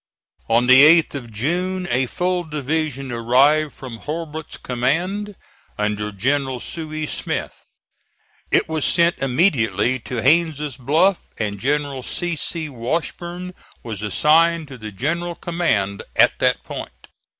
On the 8th of June a full division arrived from Hurlbut's command, under General Sooy Smith. It was sent immediately to Haines' Bluff, and General C. C. Washburn was assigned to the general command at that point.